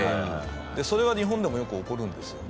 それは日本でもよく起こるんですよ。